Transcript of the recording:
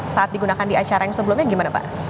saat digunakan di acara yang sebelumnya gimana pak